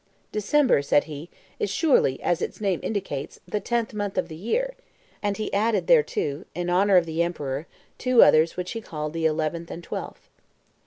"December," said he, "is surely, as its name indicates, the tenth month of the year," and he added thereto, in honor of the emperor, two others which he called the eleventh and twelfth.